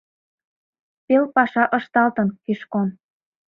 Пел паша ышталтын, Кишкон.